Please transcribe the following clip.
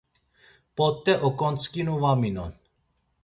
P̆ot̆e oǩotzǩinu va minon.